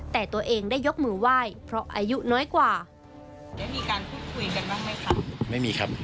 แต่ตัวเองได้ยกมือไหว้เพราะอายุน้อยกว่า